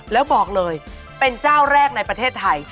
แล้วบอกเลยเป็นเจ้าแรกในประเทศไทย